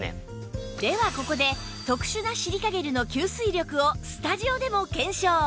ではここで特殊なシリカゲルの吸水力をスタジオでも検証